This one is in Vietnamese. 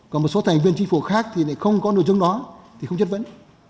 còn một số thành viên chính phủ khác thì lại không có nội dung đó thì không chất vấn